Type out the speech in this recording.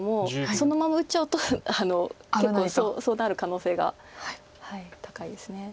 そのまま打っちゃうと結構そうなる可能性が高いです。